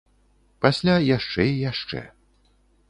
Пасля яшчэ і яшчэ.